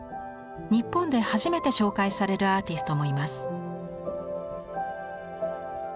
日本で初めて紹介されるアーティストもいます。